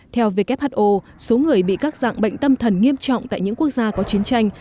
theo who số người bị các dạng bệnh tâm thần nghiêm trọng tại những quốc gia có chiến tranh